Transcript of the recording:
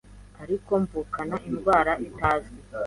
ariko mvukana indwara itazwi,